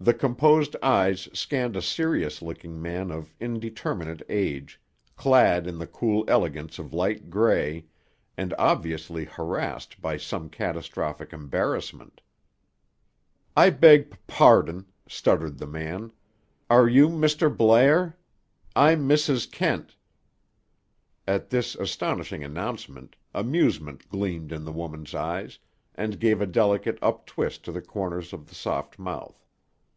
The composed eyes scanned a serious looking man of indeterminate age, clad in the cool elegance of light gray, and obviously harassed by some catastrophic embarrassment. "I beg p p pardon," stuttered the man. "Are you Mr. Blair? I'm Mrs. Kent." At this astonishing announcement, amusement gleamed in the woman's eyes, and gave a delicate up twist to the corners of the soft mouth.